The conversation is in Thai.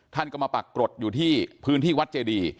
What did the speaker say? ท่านก็มาปรากฏอยู่ที่พื้นที่วัดเจดี